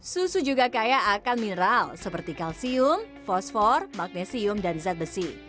susu juga kaya akan mineral seperti kalsium fosfor magnesium dan zat besi